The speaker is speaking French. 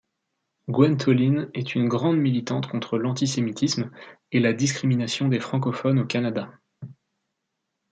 Gwentholyn est une grande militante contre l'anti-sémitisme et la discrimination des francophones au Canada.